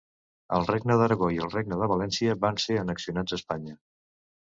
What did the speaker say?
El regne d'Aragó i el Regne de València van ser annexionats a Espanya.